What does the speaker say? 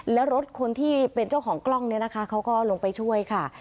แล้วรถคนที่เป็นเจ้าของกล้องเนี่ยนะคะเขาก็ลงไปช่วยค่ะ